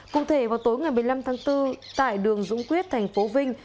cụ thể vào tối ngày một mươi năm tháng bốn tại đường dũng quyết thành phố vinh